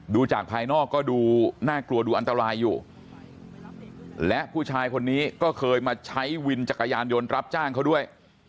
จากภายนอกก็ดูน่ากลัวดูอันตรายอยู่และผู้ชายคนนี้ก็เคยมาใช้วินจักรยานยนต์รับจ้างเขาด้วย